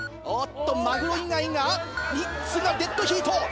おっとマグロ以外が３つがデッドヒート。